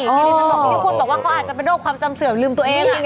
มีที่คุณบอกว่าเขาอาจจะเป็นโรคความจำเสื่อมลืมตัวเอง